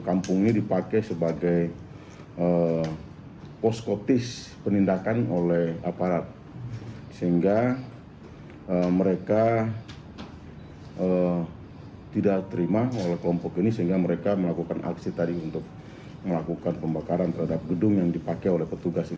kampung ini dipakai sebagai poskotis penindakan oleh aparat sehingga mereka tidak terima oleh kelompok ini sehingga mereka melakukan aksi tadi untuk melakukan pembakaran terhadap gedung yang dipakai oleh petugas ini